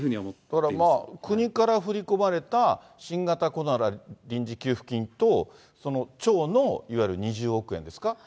だから、国から振り込まれた新型コロナ臨時給付金と、町のいわゆる２０億円ですか。